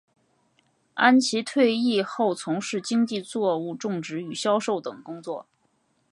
安琦退役后从事经济作物种植与销售等工作。